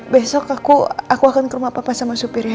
besok aku akan ke rumah papa sama supir ya